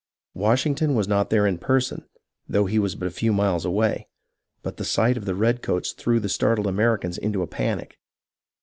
Washington was not there in person, though he was but a few miles away; but the sight of the redcoats threw the startled Americans into a panic.